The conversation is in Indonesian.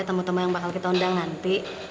teman teman yang bakal kita undang nanti